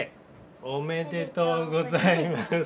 おめでとうございます。